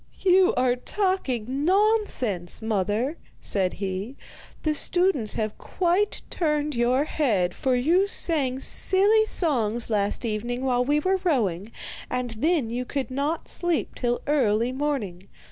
'You are talking nonsense, mother,' said he. 'The students have quite turned your head, for you sang silly songs last evening while we were rowing, and then you could not sleep till early morning.